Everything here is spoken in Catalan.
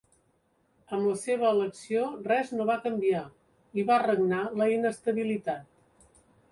Amb la seva elecció, res no va canviar i va regnar la inestabilitat.